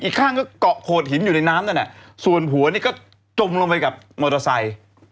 ข้างก็เกาะโขดหินอยู่ในน้ำนั่นส่วนหัวนี่ก็จมลงไปกับมอเตอร์ไซค์